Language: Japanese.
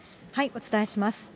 お伝えします。